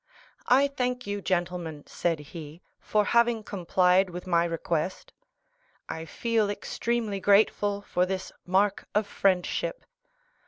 "I thank you, gentlemen," said he, "for having complied with my request; I feel extremely grateful for this mark of friendship."